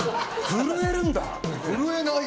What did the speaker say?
震えるんだ。